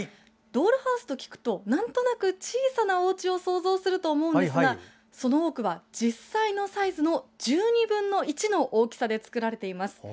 ドールハウスと聞くとなんとなく小さなおうちを想像すると思うんですがその多くは実際のサイズの１２分の１の大きさで作られています。